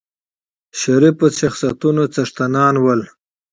شریفو شخصیتونو څښتنان ول.